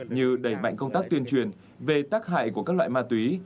như đẩy mạnh công tác tuyên truyền về tác hại của các loại ma túy